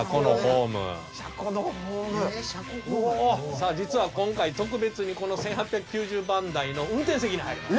さあ実は今回特別にこの１８９０番台の運転席に入れます。